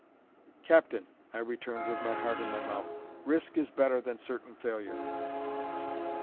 "Captain," I returned, with my heart in my mouth, "risk is better than certain failure."